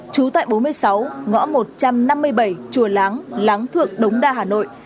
trú tại bốn mươi sáu ngõ một trăm năm mươi bảy chùa láng láng thượng đống đa hà nội